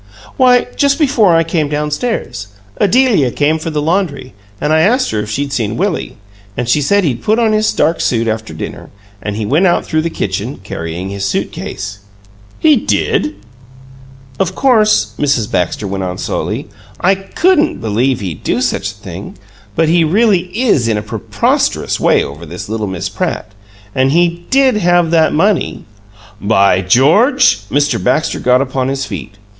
"Why, just before I came down stairs, Adelia came for the laundry; and I asked her if she'd seen Willie; and she said he'd put on his dark suit after dinner, and he went out through the kitchen, carrying his suit case." "He did?" "Of course," Mrs. Baxter went on, slowly, "I COULDN'T believe he'd do such a thing, but he really is in a PREPOSTEROUS way over this little Miss Pratt, and he DID have that money " "By George!" Mr. Baxter got upon his feet.